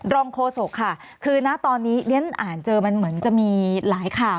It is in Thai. โฆษกค่ะคือนะตอนนี้เรียนอ่านเจอมันเหมือนจะมีหลายข่าว